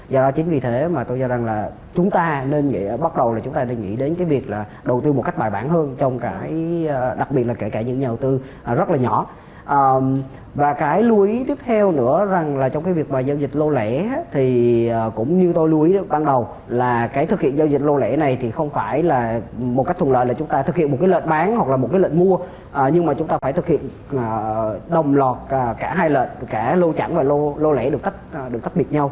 do đó chính vì thế mà tôi do rằng là chúng ta nên nghĩa bắt đầu là chúng ta nên nghĩ đến cái việc là đầu tư một cách bài bản hơn trong cái đặc biệt là kể cả những nhà đầu tư rất là nhỏ và cái lưu ý tiếp theo nữa rằng là trong cái việc bài giao dịch lô lễ thì cũng như tôi lưu ý ban đầu là cái thực hiện giao dịch lô lễ này thì không phải là một cách thuần lợi là chúng ta thực hiện một cái lệnh bán hoặc là một cái lệnh mua nhưng mà chúng ta phải thực hiện đồng lọt cả hai lệnh cả lô chẳng và lô lễ được tách được tách biệt nhau